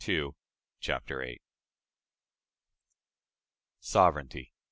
] CHAPTER VIII. Sovereignty.